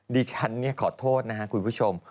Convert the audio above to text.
ดิฉันเนี้ยขอโทษนะคุณผู้ชม